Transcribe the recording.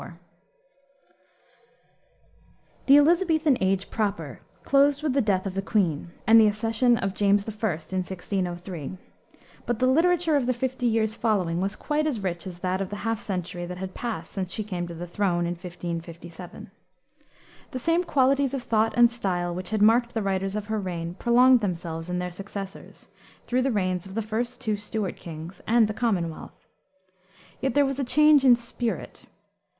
1608 1674. The Elisabethan age proper closed with the death of the queen, and the accession of James I., in 1603, but the literature of the fifty years following was quite as rich as that of the half century that had passed since she came to the throne, in 1557. The same qualities of thought and style which had marked the writers of her reign, prolonged themselves in their successors, through the reigns of the first two Stuart kings and the Commonwealth. Yet there was a change in spirit.